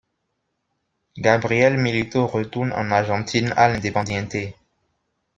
Gabriel Milito retourne en Argentine à l'Independiente.